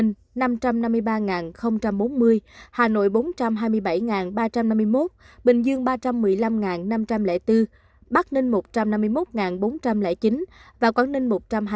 hà nội bốn trăm hai mươi bảy ba trăm năm mươi một bình dương ba trăm một mươi năm năm trăm linh bốn bắc ninh một trăm năm mươi một bốn trăm linh chín quảng ninh một trăm hai mươi tám ba trăm một mươi sáu